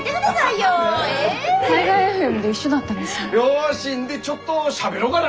よしんでちょっとしゃべろうがな。